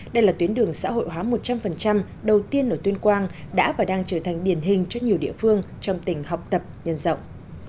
đây là tuyến đường xã hội hóa một trăm linh đầu tiên ở tuyên quang đã và đang trở thành điển hình cho nhiều địa phương trong tỉnh học tập nhân rộng